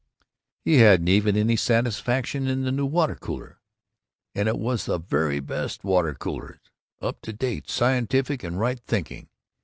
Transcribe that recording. He hadn't even any satisfaction in the new water cooler! And it was the very best of water coolers, up to date, scientific, and right thinking.